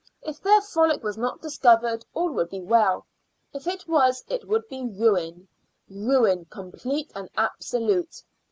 If their frolic was not discovered, all would be well; if it was, it would be ruin ruin complete and absolute.